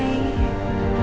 ricky berhak tau